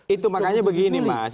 itu makanya begini mas